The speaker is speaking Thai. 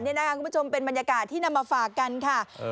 คุณผู้ชมเป็นบรรยากาศที่นำมาฝากกันค่ะ